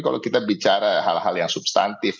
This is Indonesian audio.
kalau kita bicara hal hal yang substantif